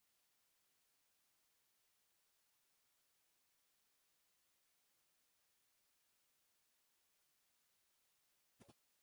Many condensed matter experiments are aiming to fabricate workable spintronics and quantum computers.